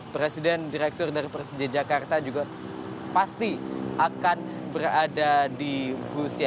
presiden direktur dari persija jakarta juga pasti akan berada di rusia